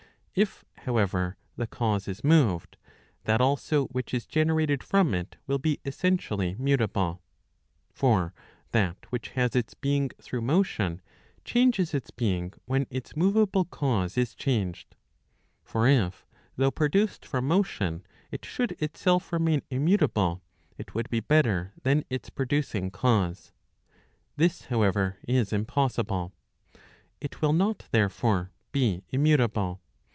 If, how¬ ever, the cause is moved, that also which is generated from it will be essentially mutable. For that which has its being through motion, Proc. Vol. II. 2 Y Digitized by t^OOQLe S64 ELEMENTS PflOP. LXXVIL. changes its being when its moveable cause 1 is changed. For if, though produced from motion, it should itself remain immutable, it would be better than its producing cause. This, however, is impossible. It will not, therefore, be immutable.